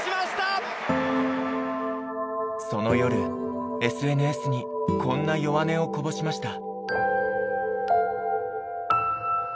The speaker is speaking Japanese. その夜ＳＮＳにこんな弱音をこぼしました。